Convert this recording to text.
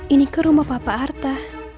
ini ke rumah papa arta